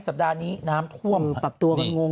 สัปดาห์นี้น้ำท่วมปรับตัวกันงง